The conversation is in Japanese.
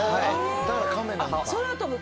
だからカメなんか。